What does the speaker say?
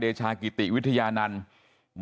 ประชาชนรู้ทั้งประเทศ